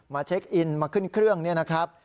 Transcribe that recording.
เช็คอินมาขึ้นเครื่องนี่นะครับ